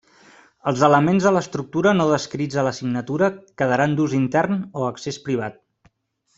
Els elements de l'estructura no descrits a la signatura quedaran d'ús intern o accés privat.